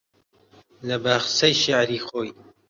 لە باخچەی شێعری خۆی